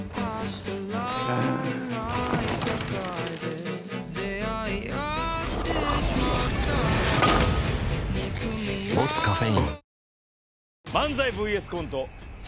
うん「ボスカフェイン」